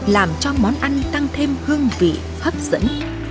làm cho món ăn tăng thêm hương vị hấp dẫn